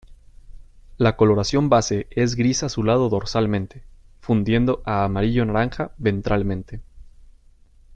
La coloración base es gris azulado dorsalmente, fundiendo a amarillo-naranja ventralmente.